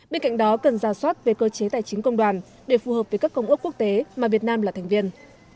bên cạnh đó cần ra soát về cơ chế tài chính công đoàn để phù hợp với các công ước quốc tế mà việt nam là thành viên